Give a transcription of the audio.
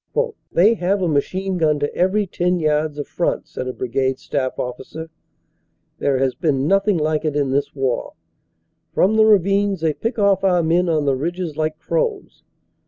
"They have a machine gun to every ten yards of front," said a Brigade staff officer. "There has been nothing like it in this war. From the ravines they pick off our men on the ridges like crows.